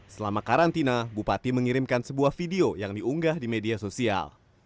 selama karantina bupati mengirimkan sebuah video yang diunggah di media sosial